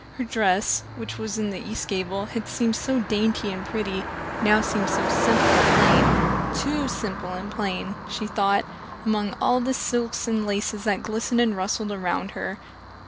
Her dress, which, in the east gable, had seemed so dainty and pretty, now seemed simple and plain too simple and plain, she thought, among all the silks and laces that glistened and rustled around her.